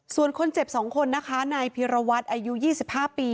ส่วนคนเจ็บ๒คนนะคะนายพิรวัตรอายุ๒๕ปี